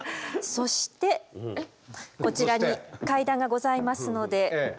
そしてこちらに階段がございますのでこのように。